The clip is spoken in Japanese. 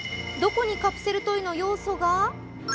どこにカプセルトイの要素が？